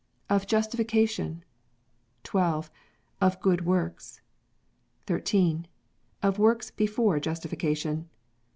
Of Justification. 12. Of Good Works. 13. Of Works before Justification.